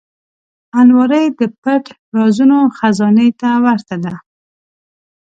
الماري د پټ رازونو خزانې ته ورته ده